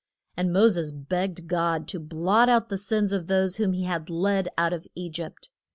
And Mo ses begged God to blot out the sins of those whom he had led out of E gypt.